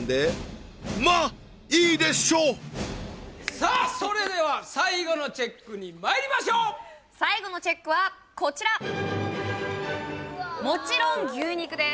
さあそれでは最後のチェックにまいりましょう最後のチェックはこちらもちろん牛肉です